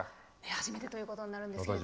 初めてということになるんですよ。